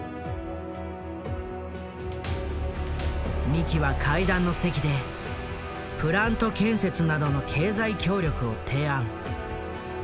三木は会談の席でプラント建設などの経済協力を提案。